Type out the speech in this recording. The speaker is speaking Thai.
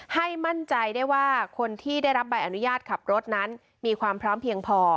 ให้มั่นใจได้ว่าคนที่ได้รับใบอนุญาตขับรถนั้นมีความพร้อมเพียงพอ